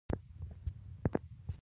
دا چې څنګه یې ثابته کړو.